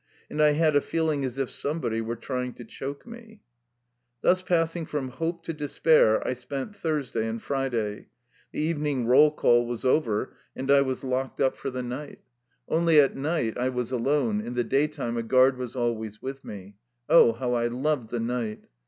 And I had a feeling as if somebody were trying to choke me ... Thus passing from hope to despair I spent Thursday and Friday. The evening roll call was over, and I was locked up for the night. 200 THE LIFE STOKY OF A RUSSIAN EXILE Only at night I was alone, in the daytime a guard was always with me. Oh, how I loved the night!